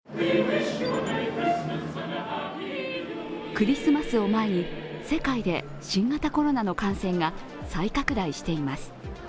クリスマスを前に世界で新型コロナの感染が再拡大しています。